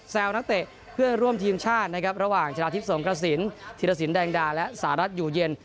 นักเตะเพื่อนร่วมทีมชาตินะครับระหว่างชนะทิพย์สงกระสินธีรสินแดงดาและสหรัฐอยู่เย็น